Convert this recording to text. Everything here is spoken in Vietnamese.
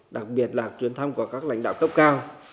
đặc biệt là chuyến thăm của các lãnh đạo cấp cao